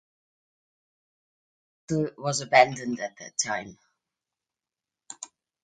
Oda Castle was abandoned at that time.